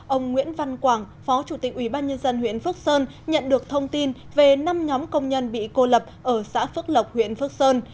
ông nguyễn văn quảng phó chủ tịch ubnd huyện phước sơn nhận được thông tin về năm nhóm công nhân bị cô lập ở xã phước lộc huyện phước sơn